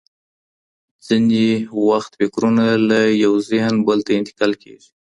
ځینې وخت فکرونه له یو ذهن بل ته انتقال کېږي.